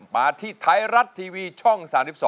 มาที่ไทยรัฐทีวีช่อง๓๒